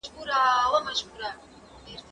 هغه څوک چي زدکړه کوي پوهه زياتوي،